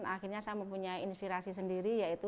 akhirnya saya mempunyai inspirasi sendiri yaitu